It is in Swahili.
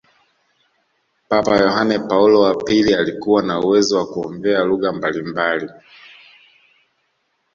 papa yohane paulo wa pili alikuwa na uwezo wa kuongea lugha mbalimbali